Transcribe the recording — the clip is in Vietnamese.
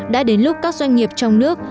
đã đến lúc các doanh nghiệp trong nước